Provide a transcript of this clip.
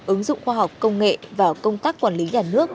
ứng dụng khoa học công nghệ vào công tác quản lý nhà nước